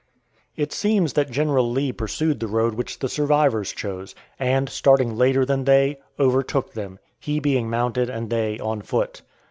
It seems that General Lee pursued the road which the survivors chose, and, starting later than they, overtook them, he being mounted and they on foot.